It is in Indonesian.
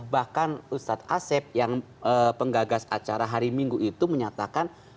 bahkan ustadz asep yang penggagas acara hari minggu itu menyatakan